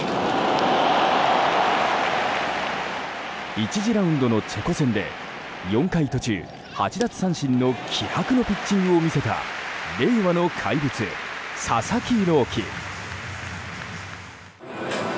１次ラウンドのチェコ戦で４回途中８奪三振の気迫のピッチングを見せた令和の怪物、佐々木朗希。